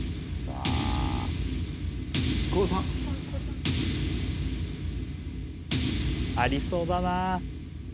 ありそうだな。